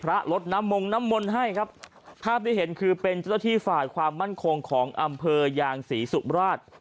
ลดน้ำมงน้ำมนต์ให้ครับภาพที่เห็นคือเป็นเจ้าหน้าที่ฝ่ายความมั่นคงของอำเภอยางศรีสุมราช